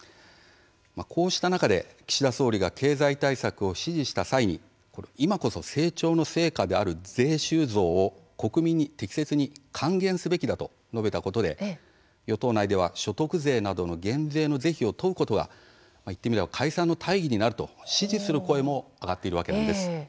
こうした中で岸田総理が経済対策を指示した際に今こそ成長の成果である税収増をこれを国民に適切に還元すべきだと述べたことで与党内には所得税などの減税の是非を問うことが言ってみれば解散の大義になると支持する声も上がっているわけなんです。